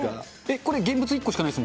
これ、現物１個しかない。